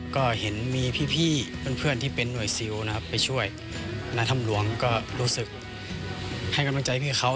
ก็เห็นมีพี่เพื่อนที่เป็นหน่วยซิลนะครับไปช่วยในถ้ำหลวงก็รู้สึกให้กำลังใจพี่เขา